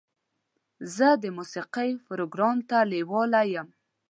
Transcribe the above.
زه د موسیقۍ پروګرام ته لیواله یم.